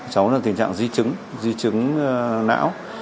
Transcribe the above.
cháu đang tình trạng di chứng di chứng não